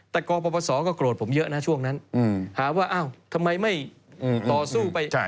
แต่กรปศก็โกรธผมเยอะนะช่วงนั้นหาว่าอ้าวทำไมไม่ต่อสู้ไป